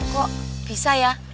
kok bisa ya